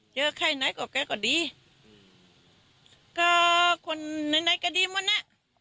เจอไข้ไหนกว่าแกก็ดีก็คนไหนก็ดีหมดนะ